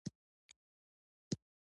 ایا ستاسو چت به کلک نه وي؟